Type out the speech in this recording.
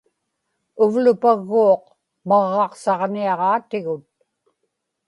uvlupagguuq maġġaqsaġniaġaatigut